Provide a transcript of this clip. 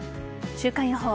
週間予報。